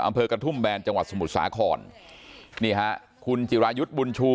อำเภอกระทุ่มแบนจังหวัดสมุทรสาครนี่ฮะคุณจิรายุทธ์บุญชู